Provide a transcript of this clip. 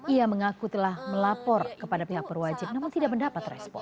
ia mengaku telah melapor kepada pihak perwajib namun tidak mendapat respon